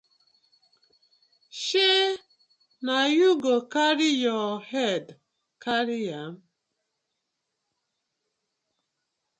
Shey na yu go karry yu head carry am.